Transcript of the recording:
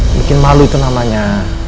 bikin malu itu namanya